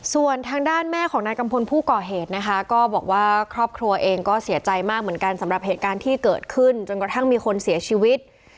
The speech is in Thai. ส่วนทางด้านแม่ของนายกัมพลผู้ก่อเหตุนะคะก็บอกว่าครอบครัวเองก็เสียใจมากเหมือนกันสำหรับเหตุการณ์ที่เกิดขึ้นจนกระทั่งมีคนเสียชีวิต